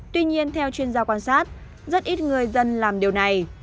tuy nhiên theo chuyên gia quan sát rất ít người dân làm điều này